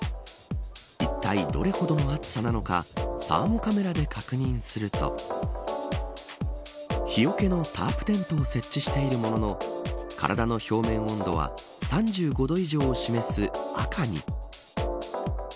いったいどれほどの暑さなのかサーモカメラで確認すると日よけのタープテントを設置しているものの体の表面温度は３５度以上を示す赤に。